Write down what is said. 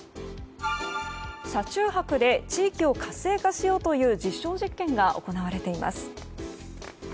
車中泊で地域を活性化しようという実証実験が行われています。